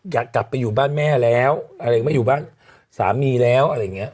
อยากกลับไปอยู่บ้านแม่แล้วอะไรไม่อยู่บ้านสามีแล้วอะไรอย่างเงี้